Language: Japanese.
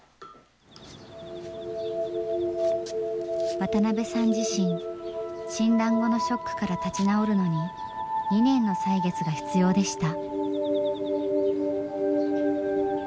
渡邊さん自身診断後のショックから立ち直るのに２年の歳月が必要でした。